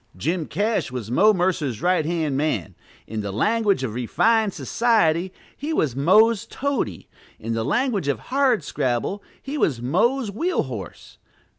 Jim Cash was Mo Mercer's right hand man: in the language of refined society, he was "Mo's toady;" in the language of Hardscrabble, he was "Mo's wheel horse."